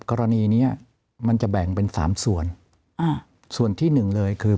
กรณีเนี้ยมันจะแบ่งเป็นสามส่วนอ่าส่วนส่วนที่หนึ่งเลยคือ